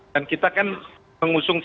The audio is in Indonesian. dan kita kan mengusungkan